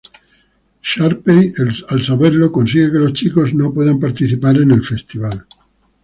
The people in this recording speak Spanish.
Sharpay al saberlo consigue que los chicos no puedan participar en el festival.